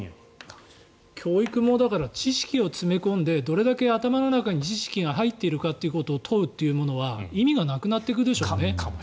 教育も知識を詰め込んでどれだけ頭の中に知識が入っているかということを問うのは意味がなくなっていくでしょうね。